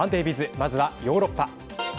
まずはヨーロッパ。